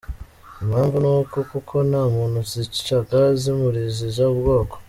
Impamvu ni uko koko nta muntu zicaga zimuziza ubwoko.